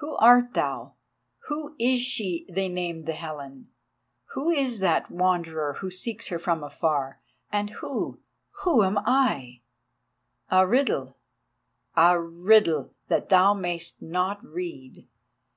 Who art thou? Who is she they named the Helen? Who is that Wanderer who seeks her from afar, and who, who am I? A riddle! a riddle! that thou mayst not read.